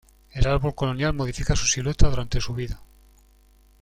El árbol colonial modifica su silueta durante su vida.